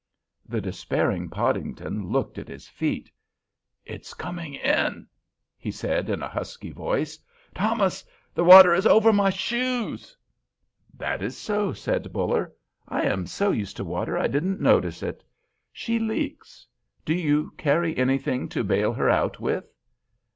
The despairing Podington looked at his feet. "It's coming in," he said in a husky voice. "Thomas, the water is over my shoes!" "That is so," said Buller. "I am so used to water I didn't notice it. She leaks. Do you carry anything to bail her out with?"